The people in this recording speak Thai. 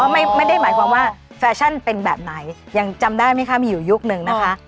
ไม่ได้หมายความว่าแฟชั่นเป็นแบบไหนยังจำได้ไหมคะมีอยู่ยุคนึงนะคะ